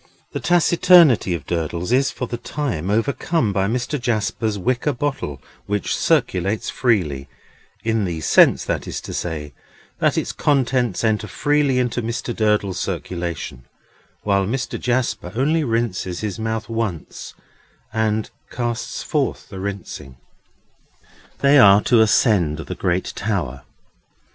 The taciturnity of Durdles is for the time overcome by Mr. Jasper's wicker bottle, which circulates freely;—in the sense, that is to say, that its contents enter freely into Mr. Durdles's circulation, while Mr. Jasper only rinses his mouth once, and casts forth the rinsing. They are to ascend the great Tower.